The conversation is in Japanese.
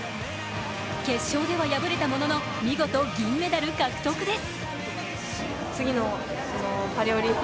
決勝では敗れたものの見事銀メダル獲得です。